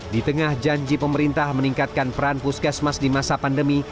di tengah janji pemerintah meningkatkan peran puskesmas di masa pandemi